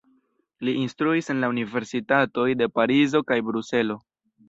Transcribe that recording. Li instruis en la universitatoj de Parizo kaj Bruselo.